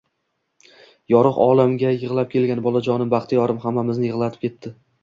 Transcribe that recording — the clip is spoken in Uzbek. Yorug` olamga yig`lab kelgan bolajonim, Baxtiyorim, hammamizni yig`latib ketdi